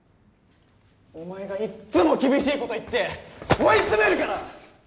お前がいっつも厳しいこと言って追い詰めるから！